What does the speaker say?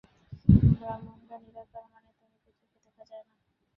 ব্রাহ্মরা নিরাকার মানে, তাহাকে চোখে দেখা যায় না।